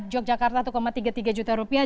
yogyakarta satu tiga puluh tiga juta rupiah